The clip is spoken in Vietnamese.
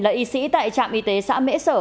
là y sĩ tại trạm y tế xã mễ sở